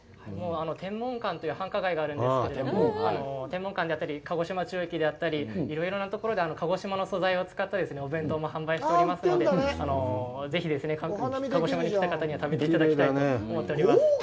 天文館という繁華街があるんですけれども、天文館であったり、鹿児島中央駅であったり、いろいろなところで鹿児島の素材を使ったお弁当も販売しておりますので、ぜひ、鹿児島に来た方には食べていただきたいと思っております。